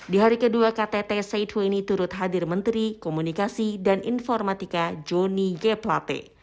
di hari kedua ktt c dua puluh turut hadir menteri komunikasi dan informatika johnny g plate